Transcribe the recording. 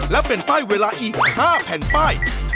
และเป็นป้ายเวลาอีก๕แผ่นป้าย